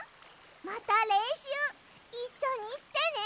またれんしゅういっしょにしてね！